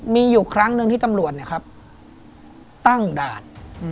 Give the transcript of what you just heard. มีอยู่ครั้งหนึ่งที่ตำรวจตั้งด่าน